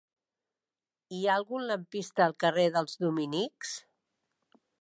Hi ha algun lampista al carrer dels Dominics?